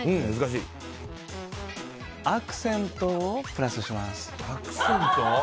アクセントをプラスします。